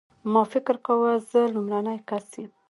ما فکر کاوه زه لومړنی کس یم.